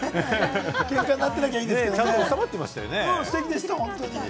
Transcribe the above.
けんかになってなきゃいいでステキでした。